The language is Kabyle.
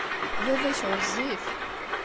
Baba-k ɣezzif.